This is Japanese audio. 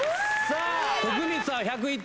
徳光さん１０１点。